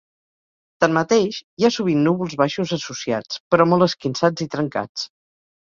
Tanmateix, hi ha sovint núvols baixos associats, però molt esquinçats i trencats.